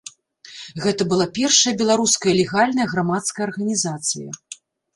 Гэта была першая беларуская легальная грамадская арганізацыя.